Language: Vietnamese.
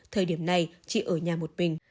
thời điểm này chị ở nhà một mình